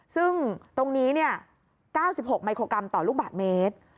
ซึ่งตรงนี้๙๖มิโครกรัมต่อลูกบาทเมตร